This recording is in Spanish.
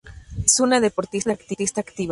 Es una deportista activa.